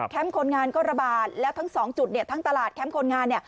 แคมป์คนงานก็ระบาดและทั้ง๒จุดทั้งตลาดแคมป์คนงาน